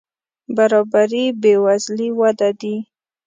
برابري بې وزلي وده دي.